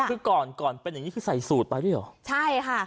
คือก่อนก่อนเป็นอย่างงี้คือใส่สูตรไปด้วยเหรอใช่ค่ะ